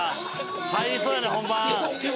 入りそうやね本番！